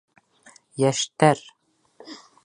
Йәштәр!